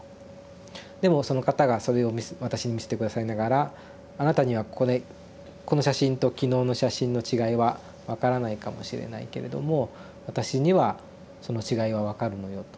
でもその方がそれを私に見せて下さりながら「あなたにはこれこの写真と昨日の写真の違いは分からないかもしれないけれども私にはその違いは分かるのよ」と。